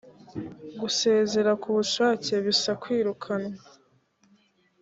gusezera ku bushake bisa kwirukanwa